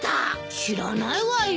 知らないわよ。